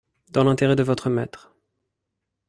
Dans l’intérêt de votre maître.